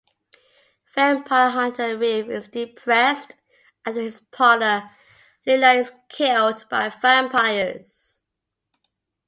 Vampire hunter Reeve is depressed after his partner Lila is killed by vampires.